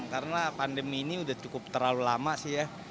karena pandemi ini sudah cukup terlalu lama sih ya